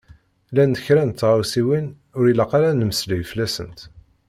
Llant kra n tɣawsiwin ur ilaq ara ad nemmeslay fell-asent.